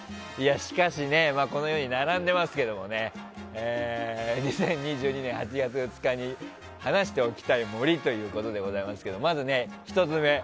しかし、このように並んでますけども２０２２年８月２日に話しておきたい森ということですけどまず１つ目。